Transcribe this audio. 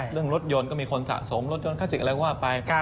เรื่องรถยนต์ก็มีคนสะสมรถยนต์คลาสสิกอะไรว่าไป